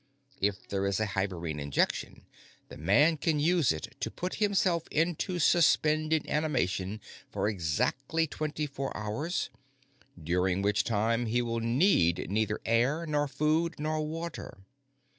If there is a hibernine injection, the man can use it to put himself into suspended animation for exactly twenty four hours, during which time he will need neither air, nor food, nor water.